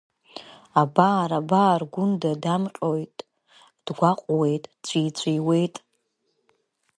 Абар-абар Гәында дамҟьоит, дгәаҟуеит, дҵәиҵәиуеит…